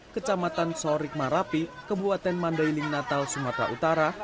kecamatan sorik marapi kebuatan mandailing natal sumatera utara